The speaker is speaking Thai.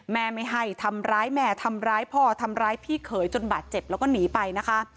ไม่ให้ทำร้ายแม่ทำร้ายพ่อทำร้ายพี่เขยจนบาดเจ็บแล้วก็หนีไปนะคะ